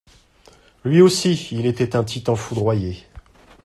Lui aussi, il etait un Titan foudroyé.